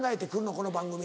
この番組に。